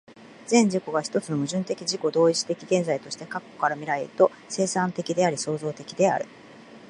全自己が一つの矛盾的自己同一的現在として、過去から未来へと、生産的であり創造的である。